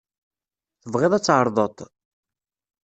Tebɣiḍ ad tεerḍeḍ-t?